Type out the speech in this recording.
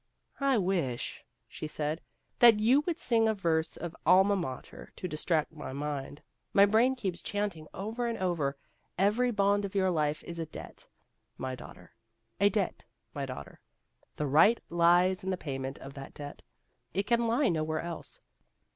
" I wish," she said, " that you would sing a verse of ' Alma Mater ' to distract my mind. My brain keeps chanting over and over, ' Every bond of your life is a debt, my daughter,' a debt, my daughter ;' the right lies in the payment of that debt ; it can lie nowhere else.'